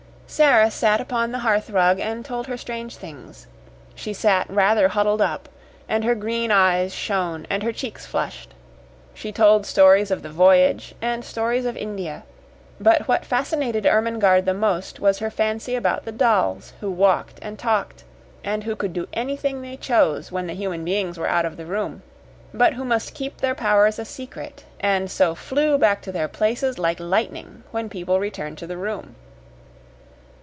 Sara sat upon the hearth rug and told her strange things. She sat rather huddled up, and her green eyes shone and her cheeks flushed. She told stories of the voyage, and stories of India; but what fascinated Ermengarde the most was her fancy about the dolls who walked and talked, and who could do anything they chose when the human beings were out of the room, but who must keep their powers a secret and so flew back to their places "like lightning" when people returned to the room.